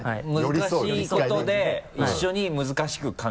難しいことで一緒に難しく考えてあげる。